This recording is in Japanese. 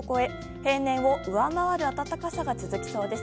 平年を上回る暖かさが続きそうです。